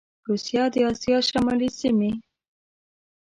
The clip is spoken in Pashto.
روسیه او د اسیا شمالي سیمي